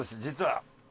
実は。